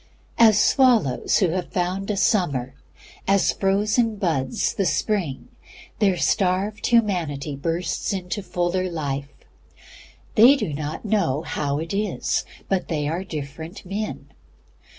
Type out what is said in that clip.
As swallows who have found a summer, as frozen buds the spring, their starved humanity bursts into a fuller life. They do not know how it is, but they are different men.